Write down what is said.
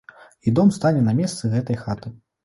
І дом стане на месцы гэтай хаты.